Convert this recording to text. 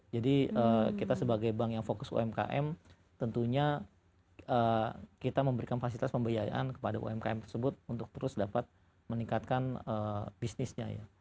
jadi kita sebagai bank yang fokus umkm tentunya kita memberikan fasilitas pembiayaan kepada umkm tersebut untuk terus dapat meningkatkan bisnisnya ya